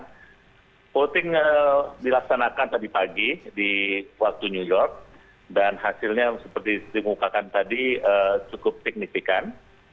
nah voting dilaksanakan tadi pagi di waktu new york dan hasilnya seperti dimukakan tadi cukup signifikan